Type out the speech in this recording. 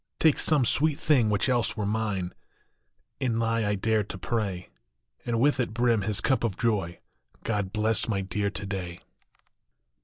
Take some sweet thing which else were mine, Inly I dare to pray, And with it brim his cup of joy God bless my Dear to day